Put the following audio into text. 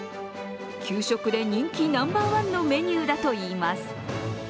給食で人気ナンバーワンのメニューだといいます。